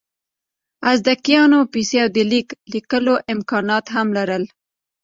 ازتکیانو پیسې او د لیک لیکلو امکانات هم لرل.